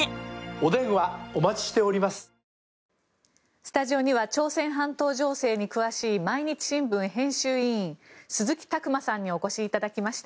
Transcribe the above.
スタジオには朝鮮半島情勢に詳しい毎日新聞編集委員鈴木琢磨さんにお越しいただきました。